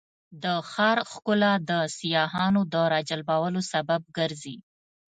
د ښار ښکلا د سیاحانو د راجلبولو سبب ګرځي.